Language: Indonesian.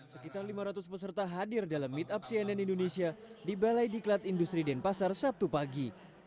sekitar lima ratus peserta hadir dalam meetup cnn indonesia di balai diklat industri denpasar sabtu pagi